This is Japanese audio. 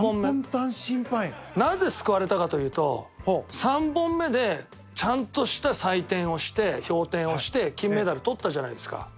なぜ救われたかというと３本目でちゃんとした採点をして評点をして金メダルとったじゃないですか。